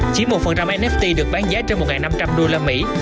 chỉ một nft được bán giá trên một năm trăm linh usd